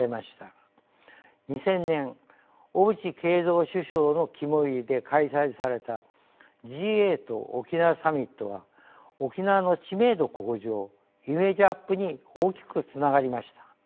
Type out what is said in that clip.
２０００年小渕恵三首相の肝煎りで開催されたＧ８沖縄サミットは沖縄の知名度向上イメージアップに大きくつながりました。